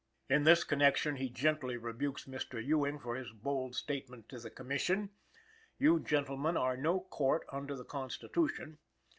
In this connection, he gently rebukes Mr. Ewing for his bold statement to the Commission: "You, gentlemen, are no court under the Constitution!"